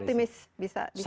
optimis bisa dipercaya